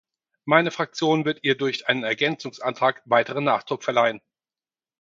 Meine Fraktion wird ihr durch einen Ergänzungsantrag weiteren Nachdruck verleihen.